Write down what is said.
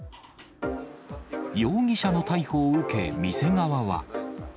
容疑者の逮捕を受け、店側は。